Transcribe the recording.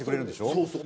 そうそう。